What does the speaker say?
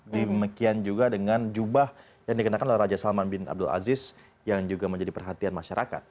demikian juga dengan jubah yang dikenakan oleh raja salman bin abdul aziz yang juga menjadi perhatian masyarakat